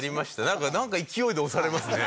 なんか勢いで押されますね。